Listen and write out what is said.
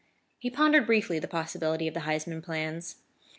He pondered briefly the possibilities of the Huysman plans.